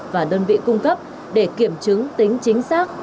và đơn vị cung cấp để kiểm chứng tính chính xác